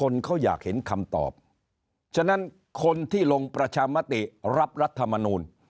แล้วทำอะไรกัน